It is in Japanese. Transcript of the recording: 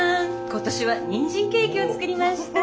今年はにんじんケーキを作りました。